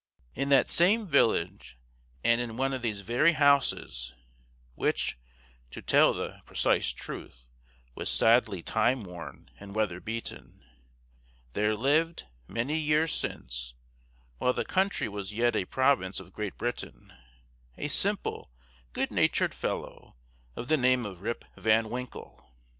In that same village, and in one of these very houses (which, to tell the precise truth, was sadly time worn and weather beaten), there lived, many years since, while the country was yet a province of Great Britain, a simple, good natured fellow, of the name of Rip Van Winkle.